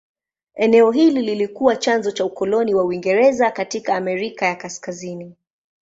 Eneo hili lilikuwa chanzo cha ukoloni wa Uingereza katika Amerika ya Kaskazini.